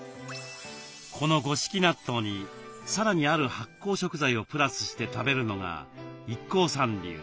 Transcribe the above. この五色納豆にさらにある発酵食材をプラスして食べるのがＩＫＫＯさん流。